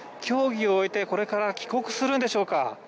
競技を終えて、これから帰国するんでしょうか。